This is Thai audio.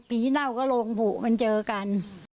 เน่าก็โรงผูกมันเจอกัน